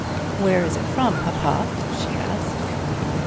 "Where is it from, papa?" she asked.